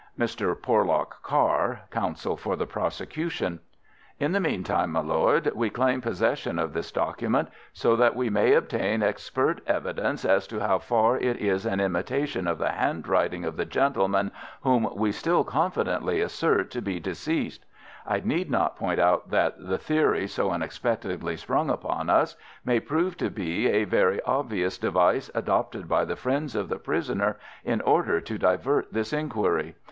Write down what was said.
Mr. Porlock Carr (counsel for the prosecution): In the meantime, my lord, we claim possession of this document, so that we may obtain expert evidence as to how far it is an imitation of the handwriting of the gentleman whom we still confidently assert to be deceased. I need not point out that the theory so unexpectedly sprung upon us may prove to be a very obvious device adopted by the friends of the prisoner in order to divert this inquiry.